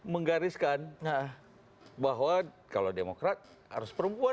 menggariskan nah bahwa kalau